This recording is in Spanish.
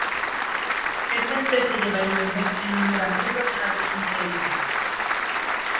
Esta especie lleva el nombre en honor a Edward Harrison Taylor.